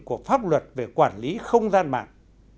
của pháp luật về quản lý không gian mạng